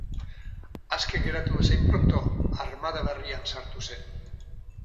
Aske geratu bezain pronto, armada berrian sartu zen.